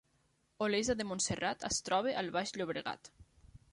Olesa de Montserrat es troba al Baix Llobregat